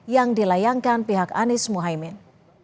yang dilayangkan pihak anies mohaimin